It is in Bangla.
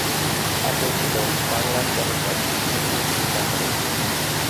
তার রচিত "বাংলার জনপদ" এরই একটি উদাহরণ।